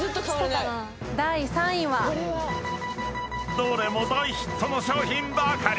［どれも大ヒットの商品ばかり！